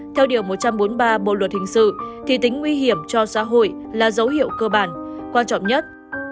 theo điều một trăm bốn mươi ba bộ luật hình sự thì tính nguy hiểm cho xã hội là dấu hiệu cơ bản quan trọng nhất